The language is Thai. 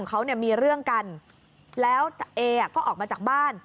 เขาเนี่ยมีเรื่องกันแล้วเอก็ออกมาจากบ้าน